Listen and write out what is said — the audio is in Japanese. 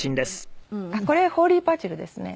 これホーリーバジルですね。